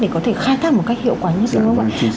để có thể khai thác một cách hiệu quả nhất đúng không ạ